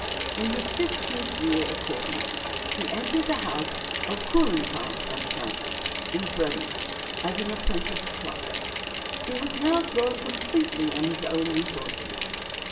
In his fifteenth year, accordingly, he entered the house of Kuhlenkamp and Sons, in Bremen, as an apprenticed clerk. He was now thrown completely upon his own resources.